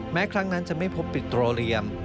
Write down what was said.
แม้ครั้งนั้นจะไม่พบปิโตเรียม